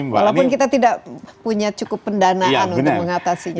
walaupun kita tidak punya cukup pendanaan untuk mengatasinya